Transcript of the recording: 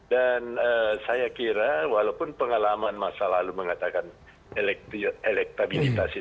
dan saya kira walaupun pengalaman masa lalu mengatakan elektabilitas itu